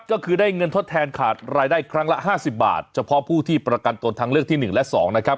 ก็คือได้เงินทดแทนขาดรายได้ครั้งละ๕๐บาทเฉพาะผู้ที่ประกันตนทางเลือกที่๑และ๒นะครับ